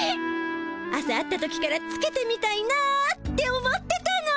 朝会った時からつけてみたいなって思ってたの。